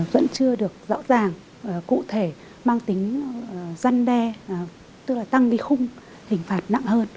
vẫn chưa được rõ ràng cụ thể mang tính răn đe tức là tăng đi khung hình phạt nặng hơn